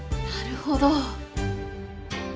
なるほど。